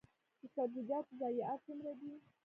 د سبزیجاتو ضایعات څومره دي؟